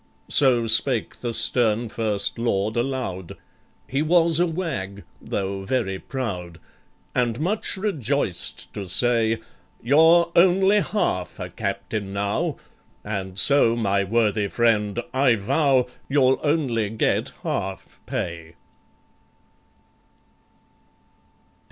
So spake the stern First Lord aloud— He was a wag, though very proud, And much rejoiced to say, "You're only half a captain now— And so, my worthy friend, I vow You'll only get half pay!"